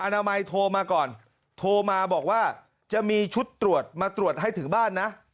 นามัยโทรมาก่อนโทรมาบอกว่าจะมีชุดตรวจมาตรวจให้ถึงบ้านนะ